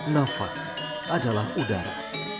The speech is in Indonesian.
nafas adalah udara